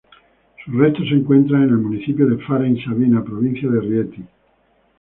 Sus restos se encuentran en el municipio de Fara in Sabina, provincia de Rieti.